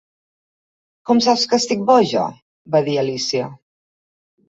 "Com saps que estic boja?", va dir Alícia.